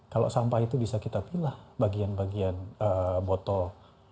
kalau sampah itu bisa kita pilah bagian bagian botol